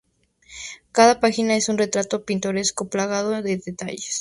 Cada página es un retrato pintoresco plagado de detalles.